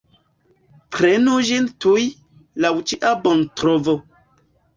Prenu ĝin tuj, laŭ cia bontrovo.